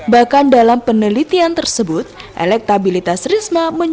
bahkan dalam penelitian tersebut elektabilitas risma mencapai dua tujuh persen